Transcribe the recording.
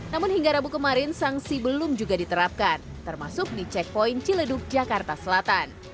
namun hingga rabu kemarin sanksi belum juga diterapkan termasuk di checkpoint ciledug jakarta selatan